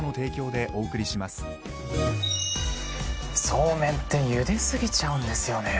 そうめんってゆで過ぎちゃうんですよね。